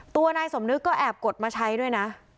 ตัวนายสมนึกก็แอบกดมาใช้ด้วยนะ